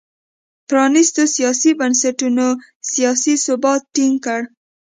پرانیستو سیاسي بنسټونو سیاسي ثبات ټینګ کړ.